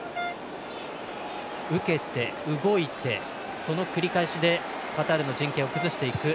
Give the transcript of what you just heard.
受けて、動いて、その繰り返しでカタールの陣形を崩していく。